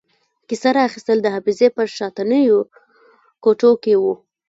کیسه را اخیستل د حافظې په شاتنیو کوټو کې وو.